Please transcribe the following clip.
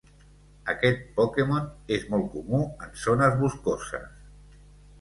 Aquest Pokémon és molt comú en zones boscoses.